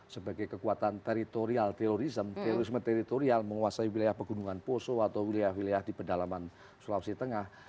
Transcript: sebagai kekuatan teritorial terorisme terorisme teritorial menguasai wilayah pegunungan poso atau wilayah wilayah di pedalaman sulawesi tengah